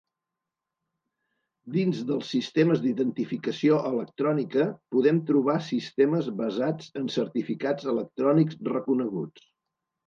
Dins dels sistemes d'identificació electrònica podem trobar sistemes basats en certificats electrònics reconeguts.